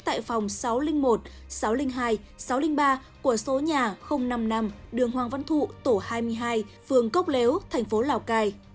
tại phòng sáu trăm linh một sáu trăm linh hai sáu trăm linh ba của số nhà năm mươi năm đường hoàng văn thụ tổ hai mươi hai phường cốc lếu thành phố lào cai